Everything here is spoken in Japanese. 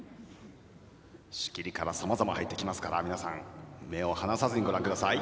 仕切りからさまざま入ってきますから皆さん目を離さずにご覧下さい。